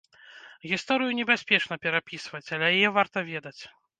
Гісторыю небяспечна перапісваць, але яе варта ведаць.